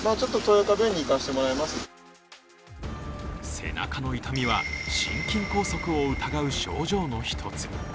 背中の痛みは心筋梗塞を疑う症状の一つ。